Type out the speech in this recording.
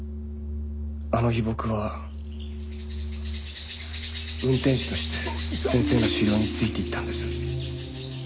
あの日僕は運転手として先生の狩猟についていったんです。